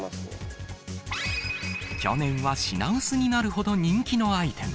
去年は品薄になるほど人気のアイテム。